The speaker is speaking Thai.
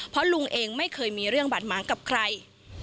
เพราะลุงเองไม่เคยมีเรื่องบาดหมางกับใคร